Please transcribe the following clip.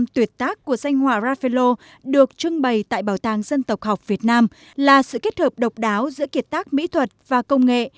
ba mươi năm tuyệt tác của danh hòa raffaello được trưng bày tại bảo tàng dân tộc học việt nam là sự kết hợp độc đáo giữa kiệt tác mỹ thuật và công nghệ